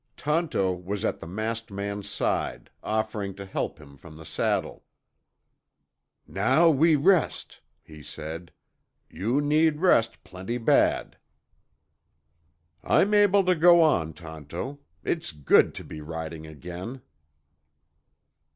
Tonto was at the masked man's side, offering to help him from the saddle. "Now we rest," he said. "You need rest plenty bad." "I'm able to go on, Tonto. It's good to be riding again."